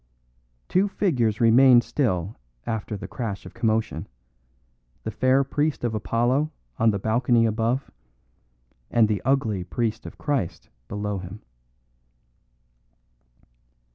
Two figures remained still after the crash of commotion: the fair priest of Apollo on the balcony above, and the ugly priest of Christ below him.